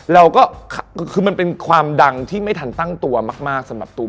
เราก็คือมันเป็นความดังที่ไม่ทันตั้งตัวมากสำหรับตูม